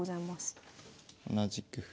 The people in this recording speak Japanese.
で同じく歩。